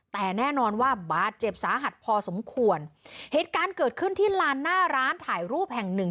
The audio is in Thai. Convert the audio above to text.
แต่แน่นอนว่าบาดเจ็บสาหัสพอสมควรเหตุการณ์เกิดขึ้นที่ลานหน้าร้านถ่ายรูปแห่งหนึ่ง